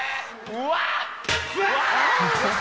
うわっ！